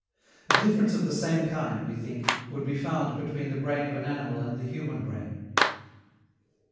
A difference of the same kind, we think, would be found between the brain of an animal and the human brain.